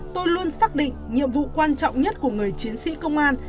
tôi luôn xác định nhiệm vụ quan trọng nhất của người chiến sĩ công an